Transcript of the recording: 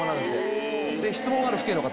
質問ある父兄の方！